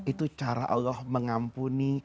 itu cara allah mengampuni